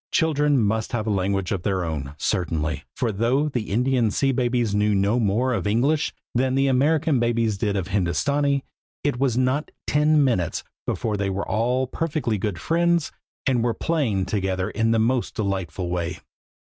Children must have a language of their own, certainly, for though the Indian sea babies knew no more of English than the American babies did of Hindostanee, it was not ten minutes before they were all perfectly good friends, and were playing together in the most delightful way.